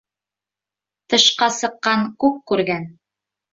Тышҡа сыҡҡан күк күргән